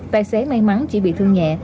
tài xế may mắn chỉ bị thương nhẹ